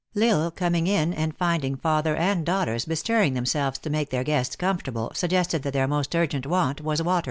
L Isle coming in and finding father and daughters bestirring themselves to make their guests comfortable, suggested that their most urgent want was water.